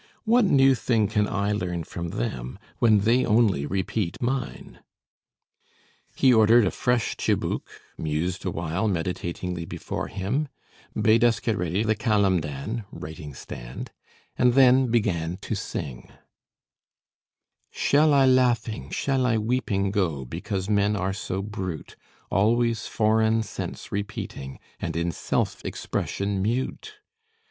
"What new thing can I learn from them, when they only repeat mine?" He ordered a fresh chibouk, mused awhile meditatingly before him, bade us get ready the kalemdan (writing stand), and then began to sing: "Shall I laughing, shall I weeping Go, because men are so brute, Always foreign sense repeating, And in self expression mute?